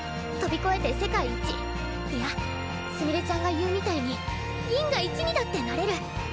飛び越えて世界一いやすみれちゃんが言うみたいに銀河一にだってなれる！